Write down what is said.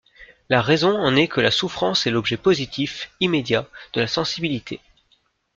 La raison en est que la souffrance est l’objet positif, immédiat, de la sensibilité.